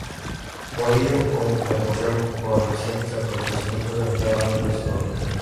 Por ello, como precaución por los recientes acontecimientos, envía a Londres a su familia.